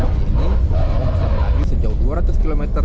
maung bisa melayu sejauh dua ratus km